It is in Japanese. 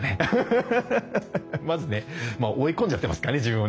まずね追い込んじゃってますからね自分をね。